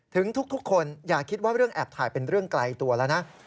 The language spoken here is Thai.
ทุกคนอย่าคิดว่าเรื่องแอบถ่ายเป็นเรื่องไกลตัวแล้วนะ